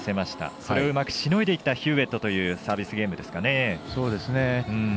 それをうまくしのいでいったヒューウェットというサービスゲームですかね。